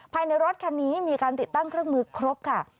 ภายในรถคันนี้มีการติดตั้งเครื่องมือครบค่ะ